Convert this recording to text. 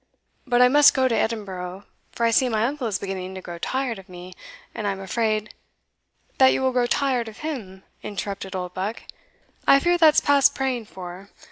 But I must go to Edinburgh; for I see my uncle is beginning to grow tired of me, and I am afraid" "That you will grow tired of him?" interrupted Oldbuck, "I fear that's past praying for.